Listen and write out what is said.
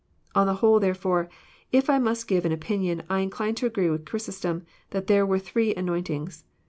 On the whole, therefore, if I must give an opinion, I incline to agree with Chrysostom, that there were three anointings.